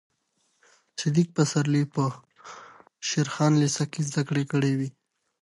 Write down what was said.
صدیق پسرلي په شېر خان لېسه کې زده کړې کړې وې.